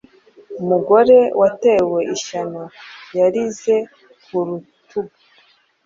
Umugore watewe ishyano yarize ku rutugu